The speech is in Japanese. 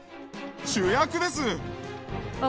主役です！